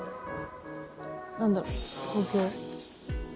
「なんだろう？東京」